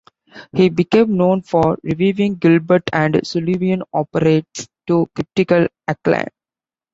He became known for reviving Gilbert and Sullivan operettas to critical acclaim.